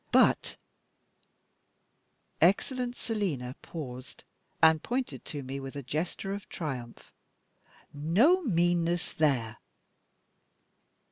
But" excellent Selina paused, and pointed to me with a gesture of triumph "no meanness there!"